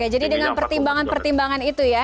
jadi dengan pertimbangan pertimbangan itu ya